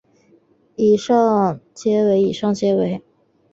以上皆为以上皆为